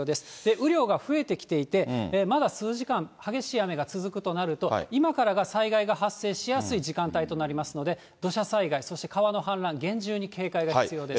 雨量は増えてきていて、まだ数時間、激しい雨が続くとなると、今からが災害が発生しやすい時間帯となりますので、土砂災害、そして川の氾濫、厳重に警戒が必要です。